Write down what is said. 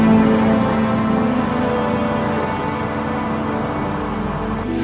ini cuma untuk they